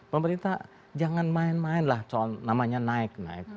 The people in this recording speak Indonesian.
pemerintah jangan main main lah soal namanya naik naik